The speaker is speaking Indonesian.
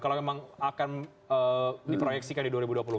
kalau memang akan diproyeksikan di dua ribu dua puluh empat